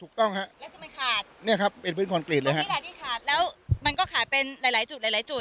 ถูกต้องฮะแล้วคือมันขาดเนี่ยครับเป็นพื้นคอนกรีตเลยค่ะนี่แหละที่ขาดแล้วมันก็ขาดเป็นหลายหลายจุดหลายหลายจุด